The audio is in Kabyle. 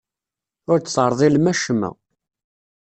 Ur d-terḍilem acemma.